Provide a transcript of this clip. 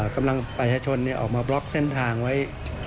ประชาชนออกมาบล็อกเส้นทางไว้